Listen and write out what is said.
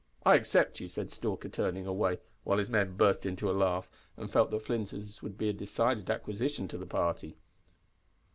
I accept you," said Stalker, turning away, while his men burst into a laugh, and felt that Flinders would be a decided acquisition to the party.